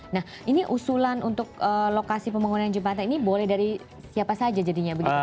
nah ini usulan untuk lokasi pembangunan jembatan ini boleh dari siapa saja jadinya begitu